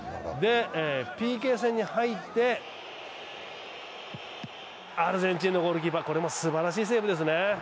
ＰＫ戦に入って、アルゼンチンのゴールキーパー、これもすばらしいセーブですね。